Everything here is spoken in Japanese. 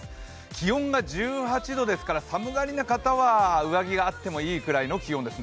気温が１８度ですから、寒がりな方は上着があってもいいくらいの気温です。